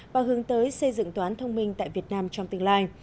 và hướng tới xây dựng tòa án thông minh tại việt nam trong tương lai